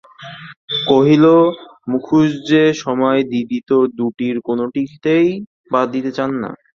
কহিল, মুখুজ্যেমশায়, দিদি তো দুটির কোনোটিকেই বাদ দিতে চান না!